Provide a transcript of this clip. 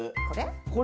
これ？